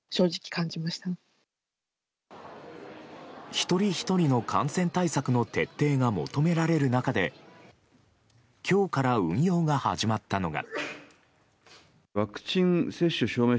一人ひとりの感染対策の徹底が求められる中で今日から運用が始まったのが。